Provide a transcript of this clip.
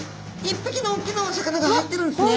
１匹の大きなお魚が入っているんですね。